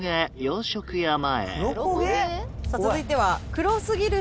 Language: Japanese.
続いては。